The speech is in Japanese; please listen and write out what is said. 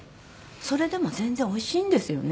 それでも全然おいしいんですよね。